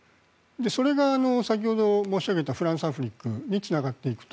それが先ほど申し上げたフランサフリックにつながっていくと。